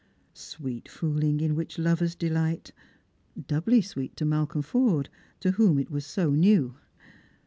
Sweet fooling in which lovers delight ! Doubly sweet to Malcolm Forde, to whom it was so new.